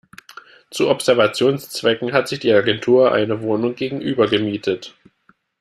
Zu Observationszwecken hat sich die Agentur eine Wohnung gegenüber gemietet.